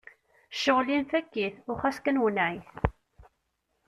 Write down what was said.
Cɣel-im fak-it u xas kan wenneɛ-it!